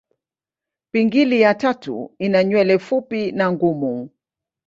Pingili ya tatu ina nywele fupi na ngumu.